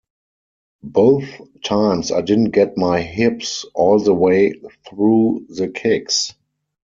Both times I didn't get my hips all the way through the kicks.